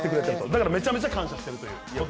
だからめちゃくちゃ感謝してるっていう。